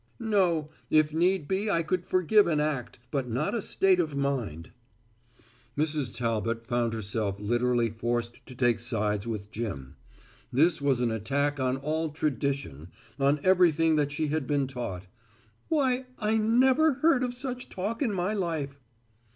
"No, if need be I could forgive an act, but not a state of mind." Mrs. Talbot found herself literally forced to take sides with Jim. This was an attack on all tradition, on everything that she had been taught. "Why, I never heard of such talk in my life."